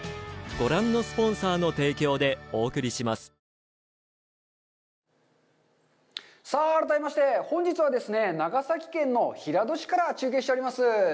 ハローさあ、改めまして、本日はですね、長崎県の平戸市から中継しております。